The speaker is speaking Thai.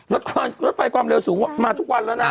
รถไฟความเร็วสูงมาทุกวันแล้วนะ